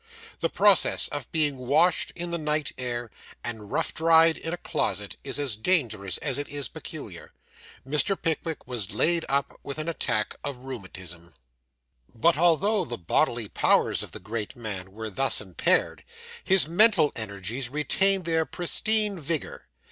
The process of being washed in the night air, and rough dried in a closet, is as dangerous as it is peculiar. Mr. Pickwick was laid up with an attack of rheumatism. But although the bodily powers of the great man were thus impaired, his mental energies retained their pristine vigour.